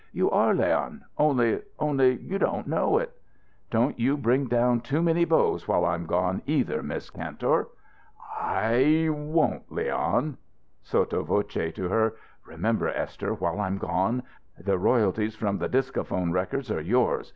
"You are, Leon only only, you don't know it." "Don't you bring down too many beaus while I'm gone, either, Miss Kantor!" "I won't, Leon." Sotto voce to her: "Remember, Esther, while I'm gone, the royalties from the Discaphone records are yours.